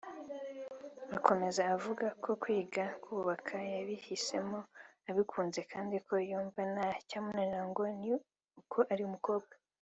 Akomeza avuga ko kwiga kubaka yabihisemo abikunze kandi ko yumva nta cyamunanira ngo ni uko ari umukobwa